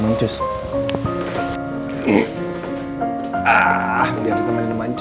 saya sangat sedih waktu dia menikah